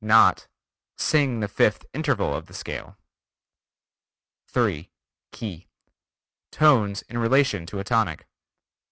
Not "sing the fifth interval of the scale." 3. Key: Tones in relation to a tonic.